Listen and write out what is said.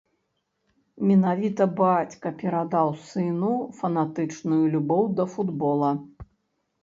Менавіта бацька перадаў сыну фанатычную любоў да футбола.